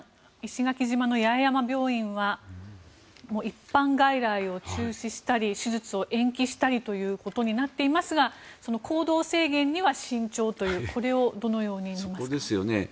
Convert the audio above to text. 石垣島の八重山病院は一般外来を中止したり手術を延期したりということになっていますがその行動制限には慎重というそこですよね。